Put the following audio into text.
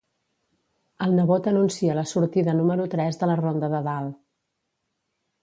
El nebot anuncia la sortida número tres de la Ronda de Dalt.